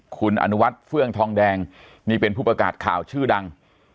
คุณอนุวัฒน์เฟื่องทองแดงนี่เป็นผู้ประกาศข่าวชื่อดัง